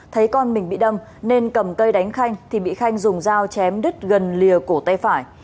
thấy con mình bị đâm nên cầm cây đánh khanh thì bị khanh dùng dao chém đứt gần lìa cổ tay phải